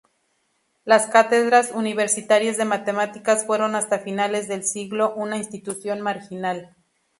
Las cátedras universitarias de matemáticas fueron hasta finales del siglo una institución marginal.